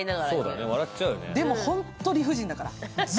でも本当、理不尽だから。